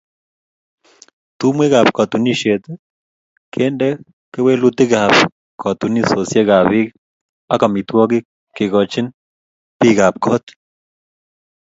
Tumwekab katunisiet kende kewelutikab koitosiekab bik ak amitwogik kekochin bikap got